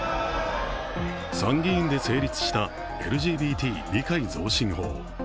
参議院で成立したＬＧＢＴ理解増進法。